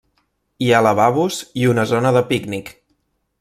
Hi ha lavabos i una zona de pícnic.